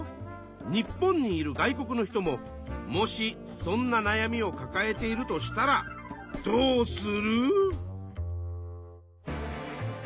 日本にいる外国の人ももしそんななやみをかかえているとしたらどうする？